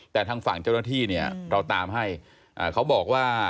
แต่ทางฝั่งเจ้าหน้าที่เนี่ยเราตามให้เขาบอกว่า